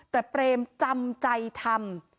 แต่เปรมจำใจทำ